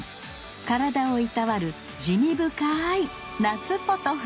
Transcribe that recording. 体をいたわる滋味深い「夏ポトフ」